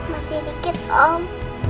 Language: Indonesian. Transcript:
masih dikit om